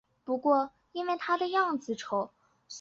腹部可以看见粉红色的皮肤。